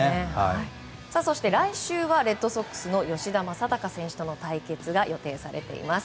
そして来週はレッドソックスの吉田正尚選手と対決が予想されています。